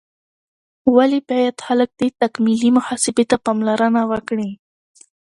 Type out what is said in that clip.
ولې باید خلک دې تکاملي محاسبې ته پاملرنه وکړي؟